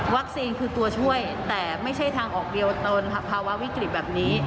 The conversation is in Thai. คือตัวช่วยแต่ไม่ใช่ทางออกเดียวตอนภาวะวิกฤตแบบนี้